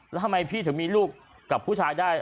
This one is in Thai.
แล้วทำไมพี่ถึงมีลูกกับผู้ชายได้